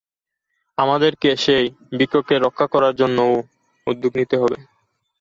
আমাদেরকে সেই বৃক্ষকে রক্ষা করার জন্যও উদ্যোগ নিতে হবে।